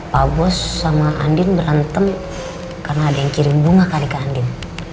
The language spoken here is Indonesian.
pak bos sama andin berantem karena ada yang kirim bunga ke andin